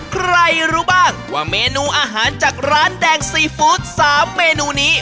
ใครรู้บ้างว่าเมนูอาหารจากร้านแดงซีฟู้ด๓เมนูนี้